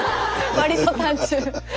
割と単純。